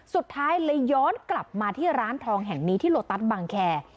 สุดท้ายเลยย้อนกลับมาที่ร้านทองแห่งนี้ที่โลตัสบางแคร์